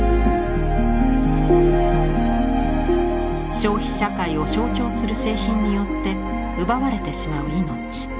消費社会を象徴する製品によって奪われてしまう命。